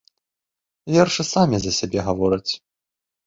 Вершы самі за сябе гавораць.